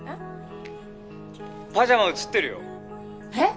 パジャマ写ってるよえっ！？